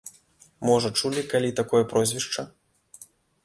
Можа, чулі калі такое прозвішча?